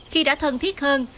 khi đã thân thiết hơn